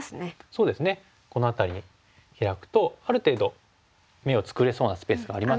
そうですねこの辺りにヒラくとある程度眼を作れそうなスペースがありますよね。